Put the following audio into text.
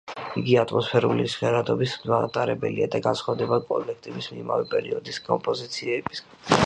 იგი ატმოსფერული ჟღერადობის მატარებელია და განსხვავდება კოლექტივის იმავე პერიოდის კომპოზიციებისგან.